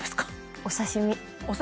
お刺し身。